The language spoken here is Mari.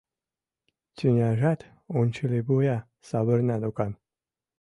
Тӱняжат унчыливуя савырна докан.